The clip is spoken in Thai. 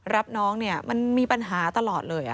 รับน้องเนี่ยมันมีปัญหาตลอดเลย